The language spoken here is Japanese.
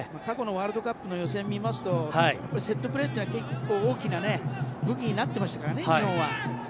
過去のワールドカップの予選を見ますと、やっぱりセットプレーは日本結構、大きな武器になっていましたからね。